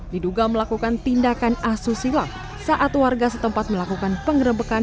diduga melakukan tindakan asusila saat warga setempat melakukan pengerebekan